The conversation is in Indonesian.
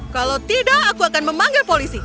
kalau tidak aku akan memanggil polisi